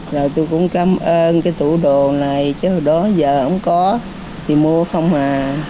rồi tôi cũng cảm ơn cái tủ đồ này chứ hồi đó giờ không có thì mua không à